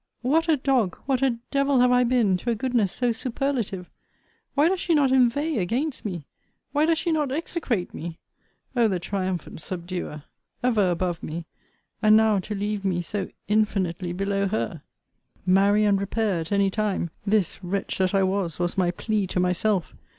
What a dog, what a devil have I been to a goodness so superlative! Why does she not inveigh against me? Why does she not execrate me? O the triumphant subduer! Ever above me! And now to leave me so infinitely below her! Marry and repair, at any time; this, wretch that I was, was my plea to myself.